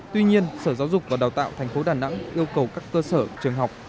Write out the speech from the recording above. tuy nhiên sở giáo dục và đào tạo thành phố đà nẵng yêu cầu các cơ sở trường học